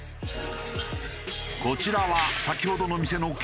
こちらは先ほどの店の系列店。